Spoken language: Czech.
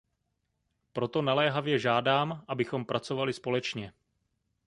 Proto naléhavě žádám, abychom pracovali společně.